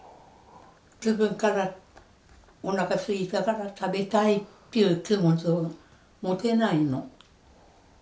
自分からお腹すいたから食べたいっていう気持ちを持てないの。